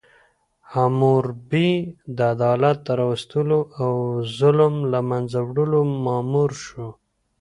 حموربي د عدالت راوستلو او ظلم له منځه وړلو مامور شو.